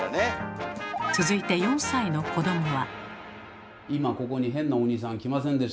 続いて４歳の子どもは。